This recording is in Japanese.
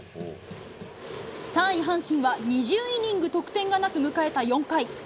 ３位阪神は、２０イニング得点がなく迎えた４回。